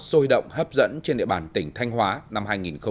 sôi động hấp dẫn trên địa bàn tỉnh thanh hóa năm hai nghìn hai mươi